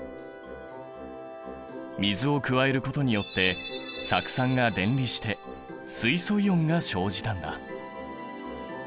水を加えることによって酢酸が電離して水素イオンが生じたんだ。